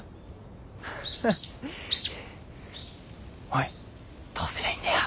おいどうすりゃいいんだよ。